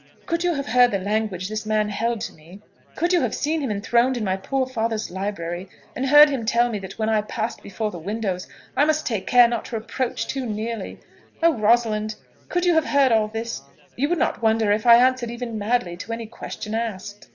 Could you have heard the language this man held to me, could you have seen him enthroned in my poor father's library, and heard him tell me that when I passed before the windows I must take care not to approach too nearly, oh, Rosalind! could you have heard all this, you would not wonder if I answered even madly to any questions asked."